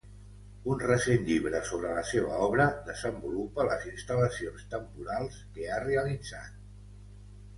Un recent llibre sobre la seva obra desenvolupa les instal·lacions temporals que ha realitzat.